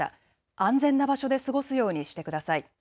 安全な場所で過ごすようにしてください。